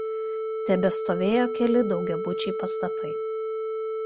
Tebestovėjo keli daugiabučiai pastatai.